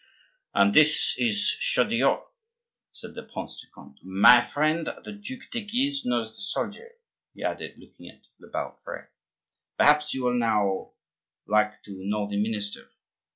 "And this is Chaudieu," said the Prince de Conde. "My friend the Duc de Guise knows the soldier," he added, looking at Le Balafre, "perhaps he will now like to know the minister."